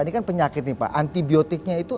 ini kan penyakit nih pak antibiotiknya itu